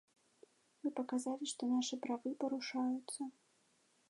Мы паказалі, што нашы правы парушаюцца.